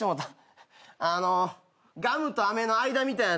あのガムとあめの間みたいなやつ。